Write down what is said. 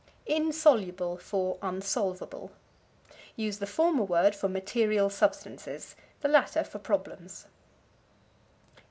Insoluble for Unsolvable. Use the former word for material substances, the latter for problems.